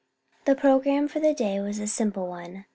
The pro gramme for the day was a simple one.